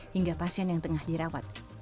hingga pasien yang tengah dirawat